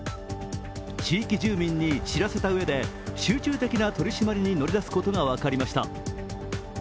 地域住民に知らせたうえで集中的な取り締まりに乗り出すことが分かりました。